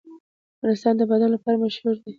افغانستان د بادام لپاره مشهور دی.